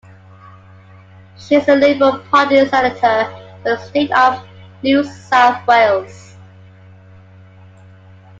She is a Liberal Party Senator for the state of New South Wales.